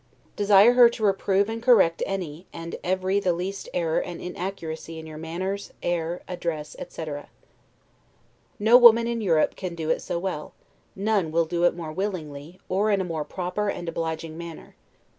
Desire her to reprove and correct any, and every the least error and inaccuracy in your manners, air, address, etc. No woman in Europe can do it so well; none will do it more willingly, or in a more proper and obliging manner.